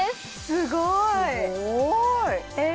すごい！え！